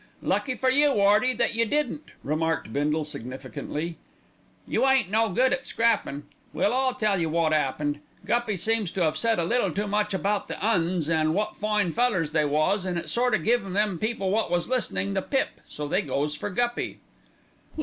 "Lucky for you, 'Earty, that you didn't," remarked Bindle significantly. "You ain't no good at scrappin'. Well, I'll tell you wot 'appened. Guppy seems to 'ave said a little too much about the 'Uns, an' wot fine fellers they was, an' it sort o' give them people wot was listenin' the pip, so they goes for Guppy."